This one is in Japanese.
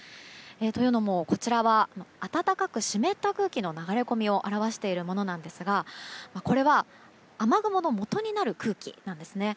というのも、こちらは暖かく湿った空気の流れ込みを表しているものなんですがこれは雨雲のもとになる空気なんですね。